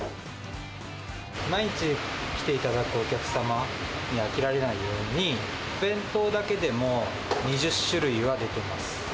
毎日来ていただくお客様に飽きられないように、お弁当だけでも２０種類は出てます。